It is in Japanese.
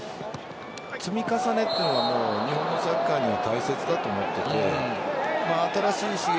積み重ねというのが日本のサッカーに大切だと思っていて新しい刺激